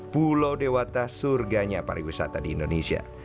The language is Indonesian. pulau dewata surganya pariwisata di indonesia